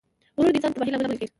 غرور د انسان د تباهۍ لامل کیږي.